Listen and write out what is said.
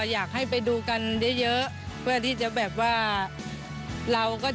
อย่างพ่อค้าขนมจิบสารเปล่าและแม่ค้าขายน้ำคนนี้